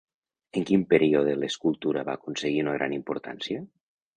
En quin període l'escultura va aconseguir una gran importància?